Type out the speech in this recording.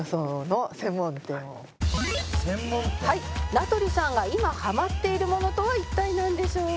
「名取さんが今ハマっているものとは一体なんでしょうか？」